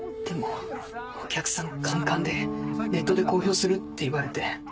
でもお客さんカンカンでネットで公表するって言われて。